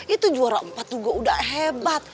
itu juara empat juga udah hebat